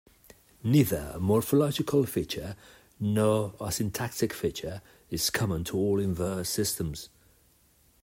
Neither a morphological feature nor a syntactic feature is common to all inverse systems.